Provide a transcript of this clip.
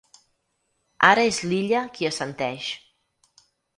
Ara és l'Illa qui assenteix.